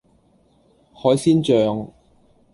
海鮮醬